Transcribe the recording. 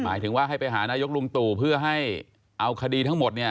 หมายถึงว่าให้ไปหานายกลุงตู่เพื่อให้เอาคดีทั้งหมดเนี่ย